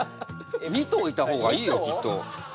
２頭いた方がいいよきっと。２頭！？